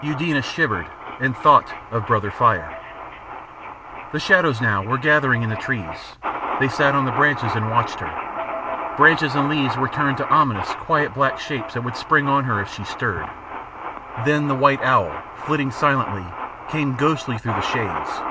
Eudena shivered and thought of Brother Fire. The shadows now were gathering in the trees, they sat on the branches and watched her. Branches and leaves were turned to ominous, quiet black shapes that would spring on her if she stirred. Then the white owl, flitting silently, came ghostly through the shades.